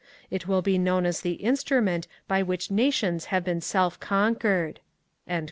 It will be known as the instrument by which nations have been self con quered.